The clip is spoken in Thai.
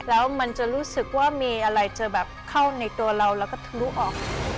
แล้วมันจะรู้สึกว่ามีอะไรจะแบบเข้าในตัวเราแล้วก็ทะลุออก